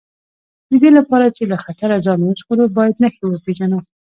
د دې لپاره چې له خطره ځان وژغورو باید نښې وپېژنو.